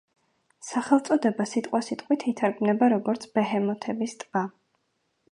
სახელწოდება სიტყვასიტყვით ითარგმნება, როგორც „ბეჰემოთების ტბა“.